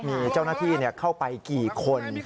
มีเจ้าหน้าที่เข้าไปกี่คน